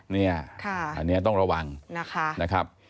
เนี่ยอันนี้ต้องระวังนะคะ